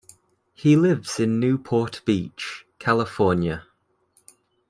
He lives in Newport Beach, California.